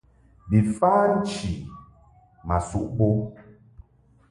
Bi fa nchi ma suʼ bo.